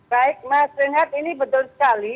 baik mas renhat ini betul sekali